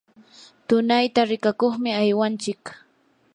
tunayta rikakuqmi aywanchik.